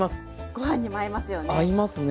ご飯にも合いますよね。